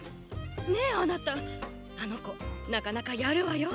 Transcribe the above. ねえあなたあの子なかなかやるわよ。